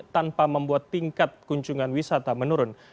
tanpa membuat tingkat kunjungan wisata menurun